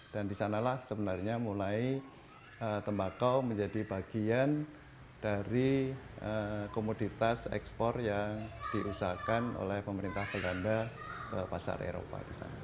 dan di sana sebenarnya mulai tembakau menjadi bagian dari komoditas ekspor yang diusahakan oleh pemerintah belanda ke pasar eropa